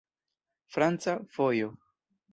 Franca vojo.